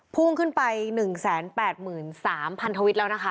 พุ่งขึ้นไป๑๘๓๐๐ทวิตแล้วนะคะ